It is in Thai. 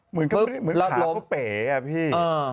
เหมือนขาก็เป๋ออ่ะพี่